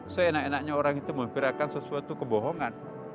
seenak enaknya orang itu memvirakan sesuatu kebohongan